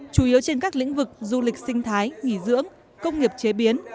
chủ yếu trên các lĩnh vực du lịch sinh thái nghỉ dưỡng công nghiệp chế biến